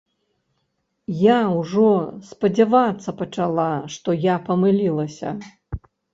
Я ўжо спадзявацца пачала, што я памылілася.